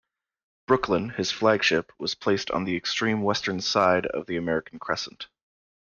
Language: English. "Brooklyn", his flagship, was placed on the extreme western side of the American crescent.